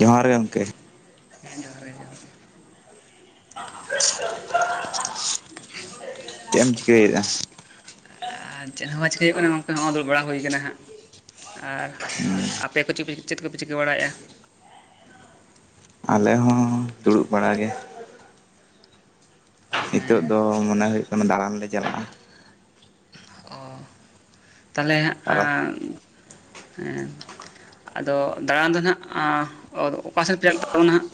ᱡᱚᱦᱟᱨ ᱜᱮ ᱜᱚᱝᱠᱮ᱾ ᱦᱮᱸ ᱡᱚᱦᱟᱨ ᱜᱮ ᱡᱚᱦᱟᱨ ᱜᱮ᱾ [unintelligible] ᱪᱮᱫ ᱮᱢ ᱪᱤᱠᱟᱹᱭ ᱮᱜ-ᱟ᱾ ᱟᱨ ᱪᱮᱫ ᱦᱚᱸ ᱵᱟᱝ ᱪᱤᱠᱟ ᱦᱩᱭᱩᱜ ᱠᱟᱱᱟ ᱜᱚᱝᱠᱮ ᱦᱚᱸᱚᱭ ᱫᱩᱲᱩᱵ ᱵᱟᱲᱟ ᱦᱩᱭ ᱠᱟᱱᱟ ᱦᱟᱸᱜ ᱟᱨ ᱟᱯᱮ ᱠᱚ ᱪᱮᱫ ᱠᱚᱯᱮ ᱪᱤᱠᱟᱹ ᱵᱟᱲᱟᱭᱮᱫᱼᱟ᱾ ᱟᱞᱮ ᱦᱚᱸ, ᱫᱩᱲᱩᱵ ᱵᱟᱲᱟᱜᱮ᱾ ᱦᱤᱛᱳᱜ ᱦᱮᱸ ᱫᱚ ᱢᱚᱱᱮ ᱦᱩᱭᱩᱜ ᱠᱟᱱᱟ ᱫᱟᱬᱟᱱ ᱞᱮ ᱪᱟᱞᱟᱜᱼᱟ᱾ ᱚ ᱛᱟᱦᱚᱞᱮ ᱛᱟᱨᱟ ᱟᱸ ᱦᱮᱸ ᱟᱫᱚ ᱫᱟᱬᱟᱱ ᱫᱚ ᱱᱟᱦᱟᱜ ᱚᱠᱟᱥᱮᱫ ᱯᱮ ᱪᱟᱞᱟᱜ ᱛᱟᱵᱚᱱᱟ ᱦᱟᱜ?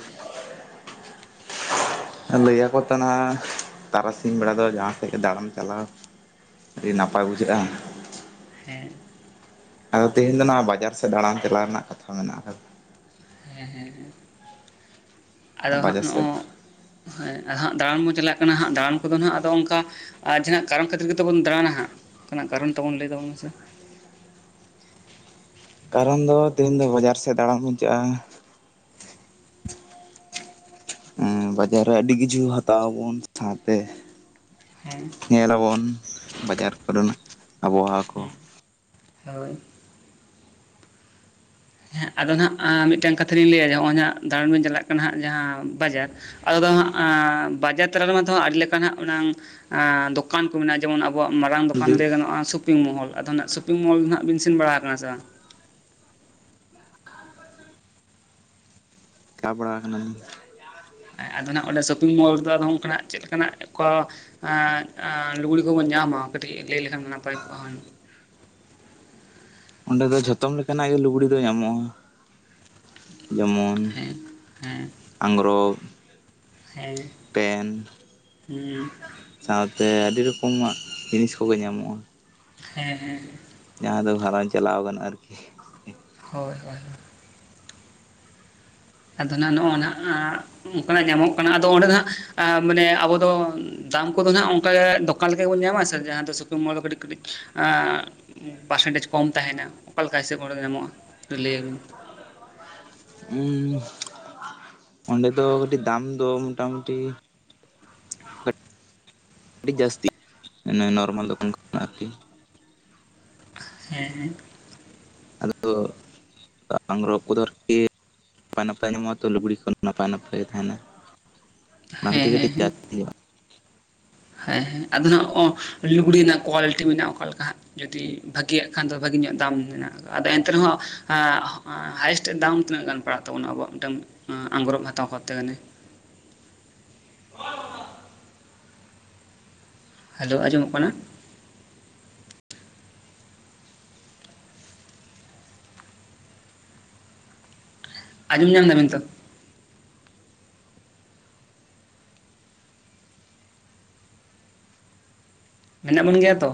ᱞᱟᱹᱭ ᱟᱠᱚ ᱛᱚ ᱱᱟᱜ ᱛᱟᱨᱟᱥᱤᱧ ᱵᱮᱲᱟ ᱫᱚ ᱡᱟᱦᱟᱸ ᱥᱮᱫ ᱜᱮ ᱫᱟᱬᱟᱱ ᱪᱟᱞᱟᱣ ᱟᱹᱰᱤ ᱱᱟᱯᱟᱭ ᱵᱩᱡᱷᱟᱹᱜᱼᱟ᱾ ᱦᱮᱸ᱾ ᱟᱫᱚ ᱛᱮᱦᱮᱧ ᱫᱚ ᱱᱚᱣᱟ ᱵᱟᱡᱟᱨ ᱥᱮᱫ ᱫᱟᱬᱟᱱ ᱪᱟᱞᱟᱜ ᱨᱮᱱᱟᱜ ᱠᱟᱛᱷᱟ ᱢᱮᱱᱟᱜ ᱠᱟᱫᱟ᱾ ᱦᱮᱸ ᱦᱮᱸ ᱦᱮᱸ᱾ ᱟᱫᱚ ᱦᱟᱸᱜ ᱵᱟᱡᱟᱨ ᱥᱮᱫ ᱱᱚᱜᱼᱚᱭ ᱦᱮᱸ ᱦᱟᱜ ᱫᱟᱬᱟᱱ ᱵᱚᱱ ᱪᱟᱞᱟᱜ ᱠᱟᱱᱟ ᱦᱟᱸᱜ ᱫᱟᱬᱟᱱ ᱠᱚᱫᱚ ᱦᱟᱜ ᱟᱫᱚ ᱚᱱᱠᱟ ᱟᱨ ᱡᱟᱦᱟᱱᱟᱜ ᱠᱟᱨᱚᱱ ᱠᱷᱟᱹᱛᱤᱨ ᱜᱮᱛᱚ ᱵᱚᱱ ᱫᱟᱬᱟᱱᱟ ᱦᱟᱸᱜ ᱚᱱᱠᱟᱱᱟᱜ ᱠᱟᱨᱚᱱ ᱛᱟᱵᱚᱱ ᱞᱟᱹᱭ ᱛᱟᱵᱚᱱ ᱢᱮᱥᱮᱼᱼ ᱠᱟᱨᱚᱱ ᱫᱚ ᱛᱮᱦᱮᱧ ᱫᱚ ᱵᱟᱡᱟᱨ ᱥᱮᱫ ᱫᱟᱬᱟᱱ ᱵᱩᱱ ᱪᱟᱞᱟᱜ-ᱟ᱾ ᱦᱩᱸ ᱵᱟᱡᱟᱨ ᱨᱮ ᱟᱹᱰᱤ ᱠᱤᱪᱷᱩ ᱦᱟᱛᱟᱣ ᱟᱵᱚᱱ ᱥᱟᱶᱛᱮ ᱦᱮᱸ ᱧᱮᱞᱟᱵᱚᱱ ᱵᱟᱡᱟᱨ ᱠᱚᱨᱮᱱᱟᱜ ᱟᱵᱚᱦᱟᱣᱟ ᱠᱚ᱾ ᱦᱮᱸ ᱦᱳᱭ᱾ ᱮᱜᱸ ᱟᱫᱚ ᱦᱟᱸᱜ ᱢᱤᱫᱴᱟᱝ ᱠᱟᱛᱷᱟ ᱞᱤᱧ ᱞᱟᱹᱭᱟ ᱱᱚᱜᱼᱚᱭ ᱱᱟᱜ ᱫᱟᱬᱟᱱ ᱵᱤᱱ ᱪᱟᱞᱟᱜ ᱠᱟᱱᱟ ᱦᱟᱸᱜ ᱡᱟᱦᱟᱸ ᱵᱟᱡᱟᱨ ᱟᱫᱚ ᱟ ᱵᱟᱡᱟᱨ ᱛᱟᱞᱟ ᱨᱮᱢᱟ ᱛᱚ ᱟᱹᱰᱤ ᱞᱮᱠᱟ ᱱᱟᱜ ᱚᱱᱟᱝ ᱫᱚᱠᱟᱱ ᱢᱮᱱᱟᱜᱼᱟ ᱡᱮᱢᱚᱱ ᱟᱵᱚᱣᱟᱜ ᱢᱟᱨᱟᱝ ᱫᱚᱠᱟᱱ ᱞᱟᱹᱭ ᱜᱟᱱᱚᱜ ᱥᱚᱯᱤᱝ ᱢᱚᱦᱚᱞ ᱟᱫᱚ ᱱᱟᱦᱟᱜ ᱥᱚᱯᱤᱝ ᱢᱚᱦᱚᱞ ᱦᱟᱜ ᱵᱤᱱ ᱥᱮᱱ ᱵᱟᱲᱟ ᱟᱠᱟᱱᱟ ᱥᱮ ᱵᱟᱝ? ᱠᱟᱵᱟᱲᱟ ᱟᱠᱟᱱᱟ ᱞᱤᱧ᱾ ᱟᱫᱚ ᱱᱟᱜ ᱚᱸᱰᱮ ᱥᱚᱯᱤᱝ ᱢᱚᱞ ᱨᱮᱫᱚ ᱟᱫᱚ ᱚᱱᱠᱟᱱᱟᱜ ᱪᱮᱫ ᱞᱮᱠᱟᱱᱟᱜ ᱠᱚ ᱞᱩᱜᱽᱲᱤ ᱠᱚᱵᱚᱱ ᱧᱟᱢᱟ ᱠᱟᱹᱴᱤᱡ ᱞᱟᱹᱭ ᱞᱮᱠᱷᱟᱱ ᱱᱟᱯᱟᱭ ᱠᱚᱜᱼᱟ ᱦᱩᱱᱟᱹᱝ᱾ ᱚᱸᱰᱮ ᱫᱚ ᱡᱷᱚᱛᱚᱢ ᱞᱮᱠᱟᱱᱟᱜ ᱜᱮ ᱞᱩᱜᱽᱲᱤ ᱫᱚ ᱧᱟᱢᱚᱜᱼᱟ᱾ ᱡᱮᱢᱚᱱ ᱦᱮᱸ ᱦᱮᱸ ᱟᱸᱜᱨᱚᱵᱽ, ᱦᱮᱸ ᱯᱮᱱ, ᱦᱮᱸ ᱥᱟᱶᱛᱮ ᱟᱹᱰᱤ ᱨᱚᱠᱚᱢᱟᱜ ᱡᱤᱱᱤᱥ ᱠᱚᱜᱮ ᱧᱟᱢᱚᱜᱼᱟ᱾ ᱦᱮᱸ ᱦᱮᱸ ᱦᱮᱸ ᱡᱟᱦᱟᱸ ᱫᱚ ᱜᱷᱟᱨᱚᱸᱡᱽ ᱪᱟᱞᱟᱣ ᱜᱟᱱᱚᱜ-ᱟ ᱟᱨᱠᱤ᱾ ᱦᱳᱭ ᱦᱳᱭ ᱦᱳᱭ ᱾ ᱟᱫᱚ ᱱᱟᱜ ᱱᱚᱜᱼᱟ ᱟᱜ ᱚᱱᱠᱟᱱᱟᱜ ᱧᱟᱢᱚᱜ ᱠᱟᱱᱟ ᱟᱫᱚ ᱚᱸᱰᱮ ᱫᱚᱦᱟᱜ ᱢᱟᱱᱮ ᱟᱵᱚ ᱫᱚ ᱫᱟᱢ ᱠᱚᱫᱚ ᱱᱟᱜ ᱚᱱᱠᱟ ᱜᱮ ᱫᱚ ᱠᱟᱱ ᱞᱮᱠᱟ ᱜᱮ ᱵᱚᱱ ᱧᱟᱢᱟ ᱥᱮ ᱡᱟᱦᱟᱸ ᱫᱚ ᱥᱩᱯᱤᱝᱢᱚᱞ ᱨᱮ ᱠᱟᱹᱴᱤᱡ ᱠᱟᱹᱴᱤᱡᱸ ᱟ ᱯᱟᱨᱥᱮᱱᱴᱮᱡᱽ ᱠᱚᱢ ᱛᱟᱦᱮᱱᱟ ᱚᱠᱟ ᱞᱮᱠᱟ ᱦᱤᱥᱟᱹᱵ ᱚᱸᱰᱮ ᱧᱟᱢᱚᱜᱼᱟ ᱞᱟᱹᱭᱟᱵᱤᱱ᱾ ᱦᱩᱸ ᱚᱸᱰᱮ ᱫᱚ ᱠᱟᱹᱴᱤᱡ ᱫᱟᱢ ᱫᱚ ᱢᱚᱴᱟᱢᱩᱴᱤ ᱟᱹᱰᱤ ᱡᱟᱹᱥᱛᱤ ᱱᱚᱨᱢᱟᱞ ᱫᱚᱠᱟᱱ ᱠᱷᱚᱱᱟᱜ ᱟᱨᱠᱤ, ᱦᱮᱸ ᱦᱮᱸ᱾ ᱟᱫᱚ ᱟᱫᱚ ᱟᱝᱨᱚᱵ ᱠᱚ ᱫᱚ ᱟᱨᱠᱤ ᱱᱟᱯᱟᱭ ᱱᱟᱯᱟᱭ ᱧᱟᱢᱚᱜ-ᱟ ᱛᱚ ᱞᱩᱜᱽᱲᱤ ᱠᱚ ᱱᱟᱯᱟᱭ ᱱᱟᱯᱟᱭ ᱜᱮ ᱛᱟᱦᱮᱱᱟ᱾ ᱚᱱᱟ ᱠᱷᱟᱛᱤᱨ ᱦᱮᱸ ᱛᱮ ᱦᱮᱸ ᱠᱟᱹᱴᱤᱡ ᱦᱮᱸ ᱦᱮᱸ ᱡᱟᱹᱥᱛᱤᱭᱟ᱾ ᱦᱮᱸ ᱦᱮᱸ ᱟᱫᱚ ᱦᱟᱜ ᱚ ᱞᱩᱜᱽᱲᱤ ᱨᱮᱱᱟᱜ ᱠᱳᱣᱟᱞᱤᱴᱤ ᱢᱮᱱᱟᱜᱼᱟ ᱦᱟᱸᱜ ᱚᱠᱟ ᱞᱮᱠᱟ ᱦᱟᱸᱜ, ᱡᱩᱫᱤ ᱵᱷᱟᱹᱜᱤᱭᱟᱜ ᱠᱷᱟᱱ ᱫᱚ ᱵᱷᱟᱹᱜᱤ ᱧᱚᱜ ᱫᱟᱢ ᱢᱮᱱᱟᱜ ᱟᱫᱚ ᱮᱱᱛᱮ ᱨᱮᱦᱚᱸ ᱦᱮᱸ ᱦᱟᱭᱮᱥᱴ ᱫᱟᱢ ᱛᱤᱱᱟᱹᱜ ᱜᱟᱱ ᱯᱟᱲᱟᱜ ᱛᱟᱵᱚᱱᱟ ᱟᱵᱚᱣᱟᱜ ᱢᱤᱫᱴᱟᱝ ᱟᱸᱜᱽᱨᱚᱵ ᱦᱟᱛᱟᱣ ᱠᱚᱛᱮ ᱜᱮᱞᱮ᱾ ᱦᱮᱞᱳ ᱟᱸᱡᱚᱢᱚᱜ ᱠᱟᱱᱟ? ᱟᱸᱡᱚᱢ ᱧᱟᱢ ᱫᱟᱵᱤᱱ ᱛᱚ, ᱢᱮᱱᱟᱜ ᱵᱚᱱ ᱜᱮᱭᱟ ᱛᱚ?